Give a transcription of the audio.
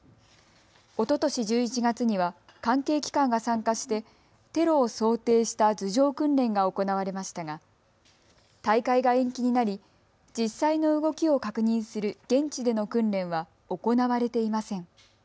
おととし１１月には関係機関が参加してテロを想定した図上訓練が行われましたが大会が延期になり実際の動きを確認する現地での訓練は行われていません。